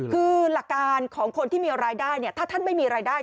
คือหลักการของคนที่มีรายได้เนี่ยถ้าท่านไม่มีรายได้